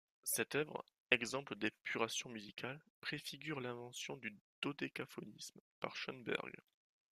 Cette œuvre, exemple d'épuration musicale, préfigure l'invention du dodécaphonisme par Schönberg.